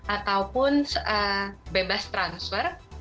ataupun bebas transfer